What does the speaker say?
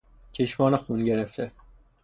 چشمان خون گرفته